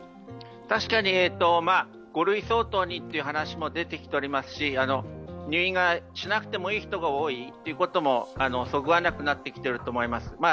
確かに５類相当にという話も出てきていますし入院しなくてもいい人が多いということもそぐわなくなってきていると思います。